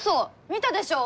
見たでしょ？